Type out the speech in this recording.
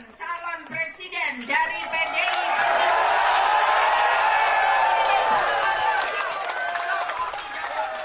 dengan ini saya nyatakan calon presiden dari pdip jokowi dodo